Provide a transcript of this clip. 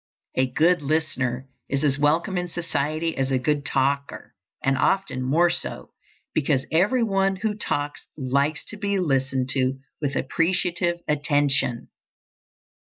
A good listener is as welcome in society as a good talker, and often more so, because every one who talks likes to be listened to with appreciative attention.